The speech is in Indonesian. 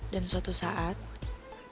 dan suatu saat lo pasti bisa dapetin raya